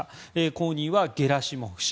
後任はゲラシモフ氏。